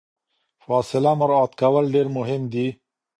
فاصله مراعات کول ډیر مهم دي.